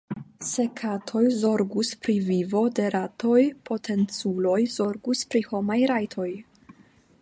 Se katoj zorgus pri vivo de ratoj, potenculoj zorgus pri homaj rajtoj.